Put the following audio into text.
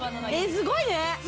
すごいね。